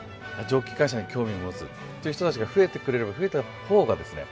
蒸気機関車に興味を持つっていう人たちが増えてくれれば増えた方がですね